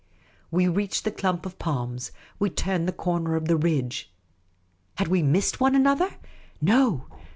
We reached the clump of palms ; we turned the corner of the ridge. Had we missed one another ? No